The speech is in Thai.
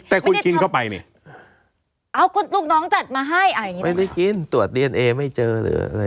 แต่คุณกินเข้าไปเนี่ยเอ้าก็ลูกน้องจัดมาให้ไม่ได้กินตรวจดีเอนเอไม่เจอหรืออะไร